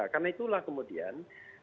karena itulah kemudian